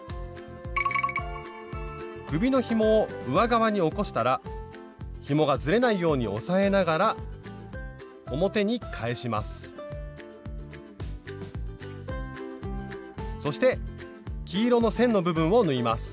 首のひもを上側に起こしたらひもがずれないように押さえながら表に返しますそして黄色の線の部分を縫います